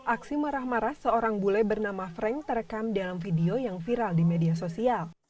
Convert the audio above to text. aksi marah marah seorang bule bernama frank terekam dalam video yang viral di media sosial